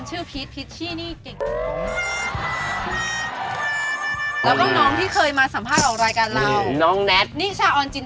คนชื่อพีชพีชชิ่งอีกจริง